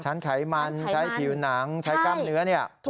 ชั้นไขมันไขผิวหนังไขกล้ามเนื้อ